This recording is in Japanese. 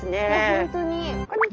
本当に。